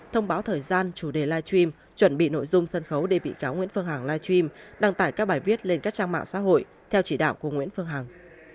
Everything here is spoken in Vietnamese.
thông báo thời gian chủ đề live stream chuẩn bị nội dung sân khấu để bị cáo nguyễn phương hằng live stream đăng tải các bài viết lên các trang mạng xã hội theo chỉ đạo của nguyễn phương hằng